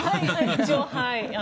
一応。